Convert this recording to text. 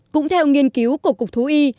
cũng theo nghiên cứu của cục thú y